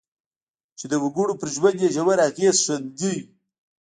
چې د وګړو پر ژوند یې ژور اغېز ښندي.